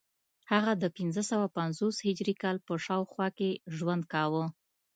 هغه د پنځه سوه پنځوس هجري کال په شاوخوا کې ژوند کاوه